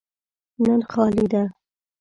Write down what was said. نن خالي ده.